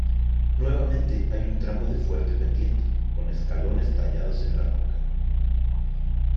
Nuevamente hay un tramo de fuerte pendiente, con escalones tallados en la roca.